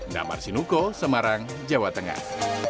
damar sinuko semarang jawa tengah